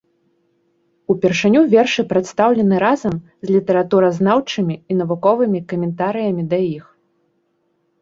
Упершыню вершы прадстаўлены разам з літаратуразнаўчымі і навуковымі каментарыямі да іх.